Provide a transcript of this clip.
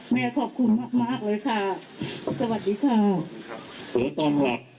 แม่ขอบคุณมากมากเลยค่ะสวัสดีค่ะครับผมตอนหลับ